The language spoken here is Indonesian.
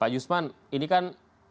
pak yusman ini kan